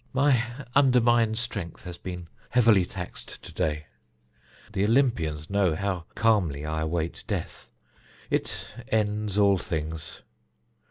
"My undermined strength has been heavily taxed to day. The Olympians know how calmly I await death. It ends all things.